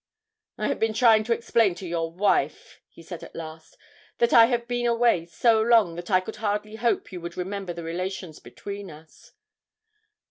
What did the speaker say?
'I have been trying to explain to your wife,' he said at last, 'that I have been away so long that I could hardly hope you would remember the relations between us.'